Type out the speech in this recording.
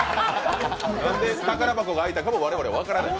なんで宝箱が空いたかも我々は分からない。